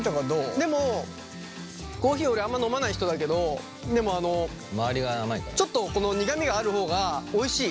でもコーヒー俺あんま飲まない人だけどでもあのちょっとこの苦みがある方がおいしい。